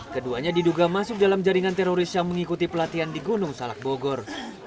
keduanya diduga masuk dalam jaringan teroris yang mengikuti pelatihan di gunung salak bogor